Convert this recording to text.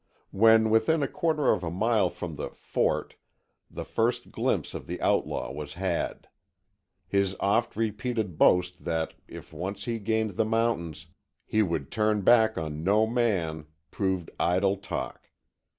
When within a quarter of a mile from the "fort," the first glimpse of the outlaw was had. His oft repeated boast that if once he gained the mountains, he would turn his back on no man, proved idle talk.